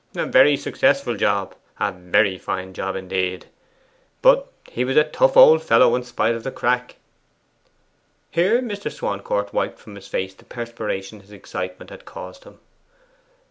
A very successful job a very fine job indeed. But he was a tough old fellow in spite of the crack.' Here Mr. Swancourt wiped from his face the perspiration his excitement had caused him.